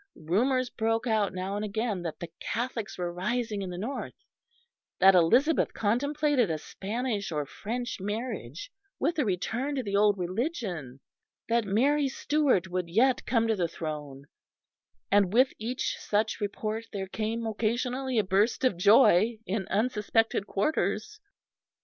Rumours broke out now and again that the Catholics were rising in the north; that Elizabeth contemplated a Spanish or French marriage with a return to the old religion; that Mary Stuart would yet come to the throne; and with each such report there came occasionally a burst of joy in unsuspected quarters.